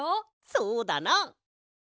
そうだな！